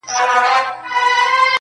تا ول زه به یارته زولنې د کاکل واغوندم -